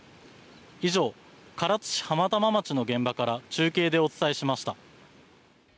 以上、唐津市浜玉町の現場から中継でお伝えしました。